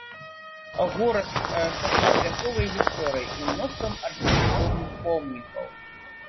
Горад са шматвяковай гісторыяй і мноствам архітэктурных помнікаў.